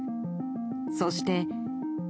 そして。